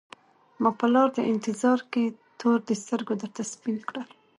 ما په لار د انتظار کي تور د سترګو درته سپین کړل